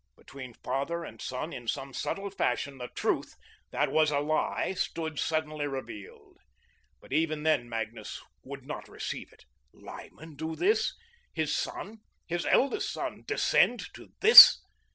Between father and son, in some subtle fashion, the truth that was a lie stood suddenly revealed. But even then Magnus would not receive it. Lyman do this! His son, his eldest son, descend to this!